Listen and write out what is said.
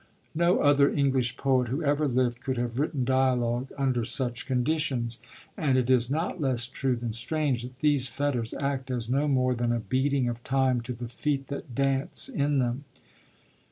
No other English poet who ever lived could have written dialogue under such conditions, and it is not less true than strange that these fetters act as no more than a beating of time to the feet that dance in them.